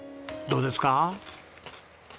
どうですか？